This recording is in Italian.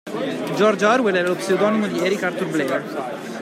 George Orwell è lo pseudonimo di Eric Arthur Blair.